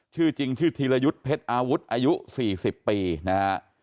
ชื่อจริงชื่อธีรยุทธ์เพชรอาวุธอายุ๔๐ปีนะฮะ